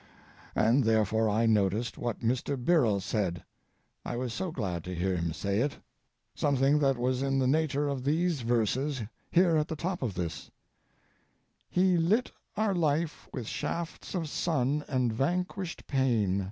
And therefore I noticed what Mr. Birrell said—I was so glad to hear him say it—something that was in the nature of these verses here at the top of this: "He lit our life with shafts of sun And vanquished pain.